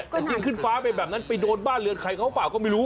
จะกินขึ้นฟ้าไปแบบนั้นไปโดนบ้านเรือนใครเขาหรือเปล่าก็ไม่รู้